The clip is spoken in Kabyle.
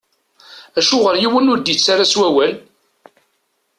Acuɣeṛ yiwen ur d-ittarra s wawal?